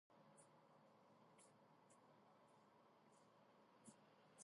მას ასრულებენ მხოლოდ მამაკაცები.